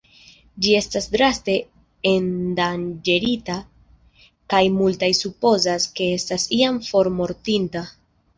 Ĝi estas draste endanĝerita kaj multaj supozas, ke estas jam formortinta.